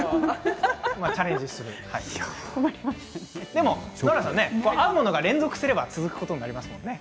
チャレンジすると合うものが連続すれば続くことになりますね。